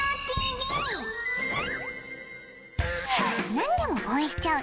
何でも応援しちゃう